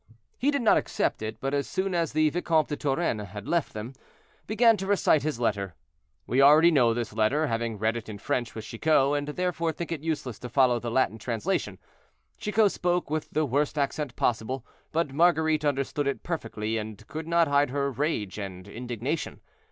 He did not accept it, but as soon as the Vicomte de Turenne had left them, began to recite his letter. We already know this letter, having read it in French with Chicot, and therefore think it useless to follow the Latin translation. Chicot spoke with the worst accent possible, but Marguerite understood it perfectly, and could not hide her rage and indignation.